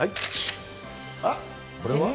これは。